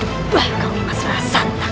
kau betul betul masalah santan